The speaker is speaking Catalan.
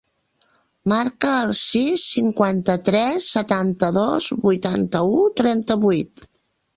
Marca el sis, cinquanta-tres, setanta-dos, vuitanta-u, trenta-vuit.